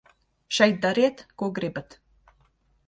Šeit dariet, ko gribat.